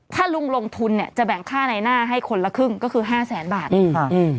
ถ้าลุงลงทุนเนี่ยจะแบ่งค่าในหน้าให้คนละครึ่งก็คือ๕แสนบาทเอง